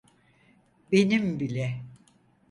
Benim bile.